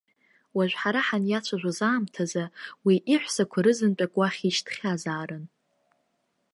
Уажә ҳара ҳаниацәажәоз аамҭазы уи иҳәсақәа рызынтәык уахь ишьҭхьазаарын.